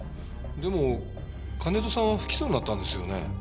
でも金戸さんは不起訴になったんですよね？